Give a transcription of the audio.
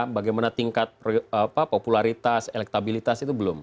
bagaimana tingkat popularitas elektabilitas itu belum